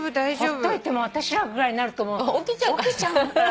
放っといても私らぐらいになると起きちゃうんだから。